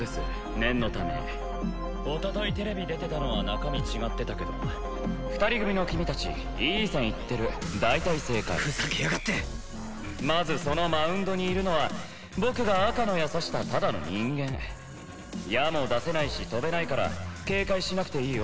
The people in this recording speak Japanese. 念のためおとといテレビ出てたのは中身違ってたけど２人組の君達いい線いってる大体正解ふざけやがってまずそのマウンドにいるのは僕が赤の矢刺したただの人間矢も出せないし飛べないから警戒しなくていいよ